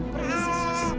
kau harus balik ke ciamis